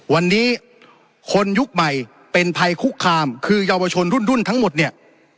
วันนี้คนยุคใหม่เป็นภัยคุกคามคือเยาวชนรุ่นทั้งหมดเนี่ย